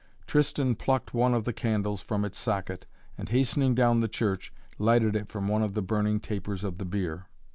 Tristan plucked one of the candles from its socket and, hastening down the church, lighted it from one of the burning tapers of the bier.